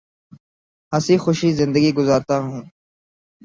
ہنسی خوشی زندگی گزارتا ہوں